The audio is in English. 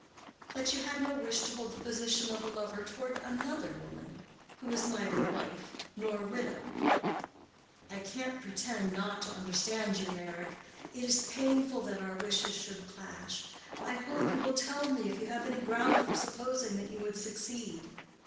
"That you had no wish to hold the position of a lover toward another woman, who is neither wife nor widow." "I can't pretend not to understand you, Meyrick. It is painful that our wishes should clash. I hope you will tell me if you have any ground for supposing that you would succeed."